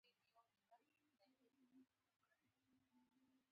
ملک صاحب په لانجه کې خپل تربوران خس ونه گڼل